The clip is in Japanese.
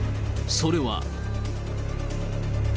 それは。